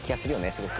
すごく。